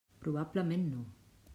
Probablement no.